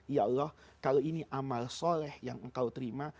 ya allah kalau ini amal soleh yang engkau terima